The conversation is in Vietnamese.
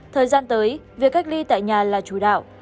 thời gian tới việc cách ly tại nhà là chủ đạo